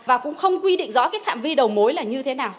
và cũng không quy định rõ cái phạm vi đầu mối là như thế nào